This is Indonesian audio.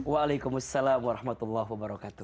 waalaikumsalam warahmatullahi wabarakatuh